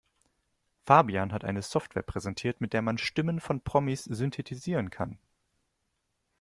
Fabian hat eine Software präsentiert, mit der man Stimmen von Promis synthetisieren kann.